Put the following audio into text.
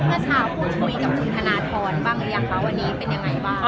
เมื่อเช้าพูดคุยกับคุณธนทรบ้างหรือยังคะวันนี้เป็นยังไงบ้าง